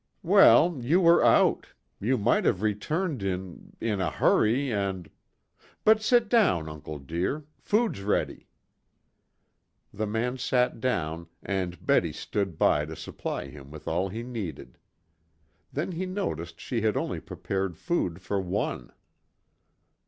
"Well, you were out. You might have returned in in a hurry and But sit down, uncle dear, food's ready." The man sat down and Betty stood by to supply him with all he needed. Then he noticed she had only prepared food for one.